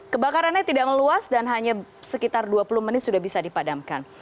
kebakarannya tidak meluas dan hanya sekitar dua puluh menit sudah bisa dipadamkan